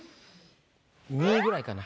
２位ぐらいかな。